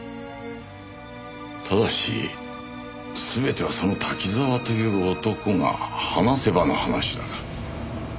ただし全てはその滝沢という男が話せばの話だが。